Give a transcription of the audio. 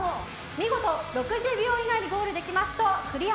見事、６０秒以内にゴールできますとクリア。